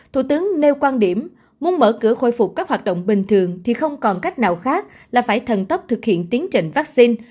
thủ tướng nêu quan điểm muốn mở cửa khôi phục các hoạt động bình thường thì không còn cách nào khác là phải thần tốc thực hiện tiến trình vaccine